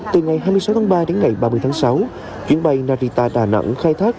từ ngày hai mươi sáu tháng ba đến ngày ba mươi tháng sáu chuyến bay narita đà nẵng khai thác